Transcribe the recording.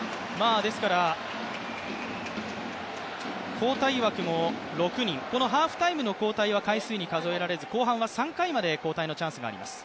交代枠も６人このハーフタイムの交代は回数に数えられず、後半は３回まで交代のチャンスがあります。